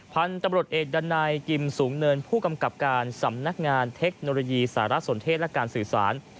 พันธุ์ตำรวจเอกดันัยกิมสูงเนินผู้กำกับการสำนักงานเทคโนโลยีสารสนเทศและการสื่อสาร